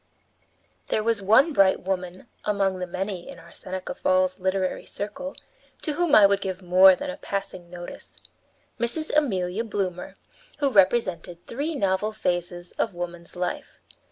There was one bright woman among the many in our Seneca Falls literary circle to whom I would give more than a passing notice Mrs. Amelia Bloomer, who represented three novel phases of woman's life.